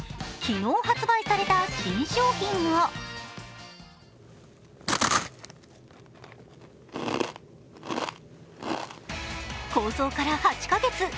昨日発売された新商品が構想から８カ月。